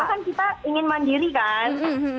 karena kita ingin mandiri kan